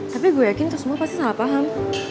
tapi gue yakin itu semua pasti salah paham